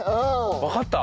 わかった？